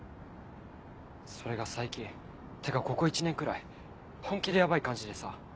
それが最近ってかここ１年くらい本気でヤバい感じでさ。